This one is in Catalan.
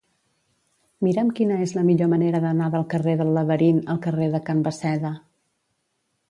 Mira'm quina és la millor manera d'anar del carrer del Laberint al carrer de Can Basseda.